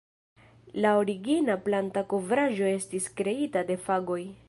La origina planta kovraĵo estis kreita de fagoj.